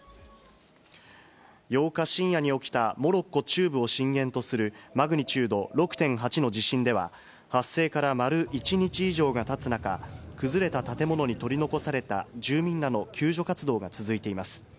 ８日深夜に起きた、モロッコ中部を震源とするマグニチュード６．８の地震では、発生から丸１日以上がたつ中、崩れた建物に取り残された住民らの救助活動が続いています。